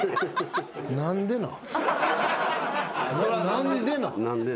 何でなん？